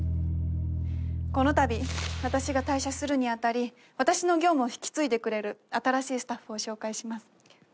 このたび私が退社するに当たり私の業務を引き継いでくれる新しいスタッフを紹介します。